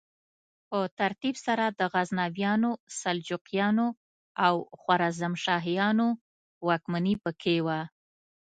په ترتیب سره د غزنویانو، سلجوقیانو او خوارزمشاهیانو واکمني پکې وه.